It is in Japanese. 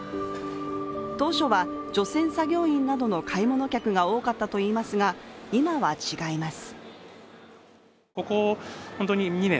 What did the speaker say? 当初は、除染作業員などの買い物客が多かったといいますが、今は違います。